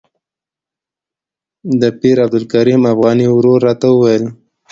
د پیر عبدالکریم افغاني ورور راته وویل.